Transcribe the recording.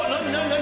何？